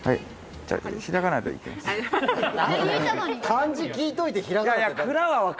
漢字聞いといて平仮名。